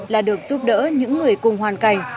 là được giúp đỡ những người cùng hoàn cảnh